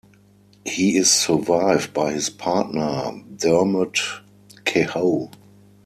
He is survived by his partner, Dermot Kehoe.